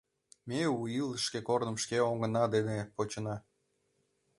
Ме у илышышке корным шке оҥна дене почына.